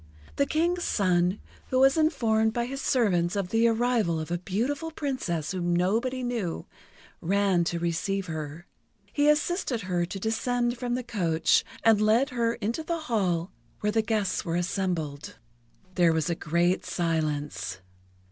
The King's son, who was informed by his servants of the arrival of a beautiful Princess whom nobody knew, ran to receive her. He assisted her to descend from the coach, and led her into the hall where the guests were assembled. There was a great silence.